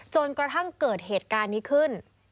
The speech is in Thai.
จนกระทั่งเกิดเหตุการณ์นี้ขึ้น